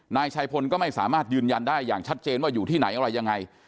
นายชัยพลก็ไม่สามารถยืนยันได้อย่างชัดเจนว่าอยู่ที่ไหนอะไรยังไง